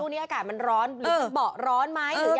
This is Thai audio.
ช่วงนี้อากาศมันร้อนจริงเบาะร้อนไหม